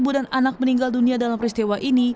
dengan anak meninggal dunia dalam peristiwa ini